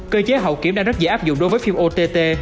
cơ chế hậu kiểm đang rất dễ áp dụng đối với phim ott